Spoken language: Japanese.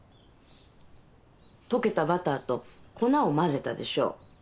とけたバターと粉をまぜたでしょ。